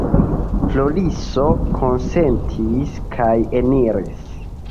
Floriso konsentis kaj eniris.